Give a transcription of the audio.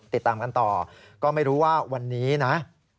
ติดตามกันต่อก็ไม่รู้ว่าวันนี้นะ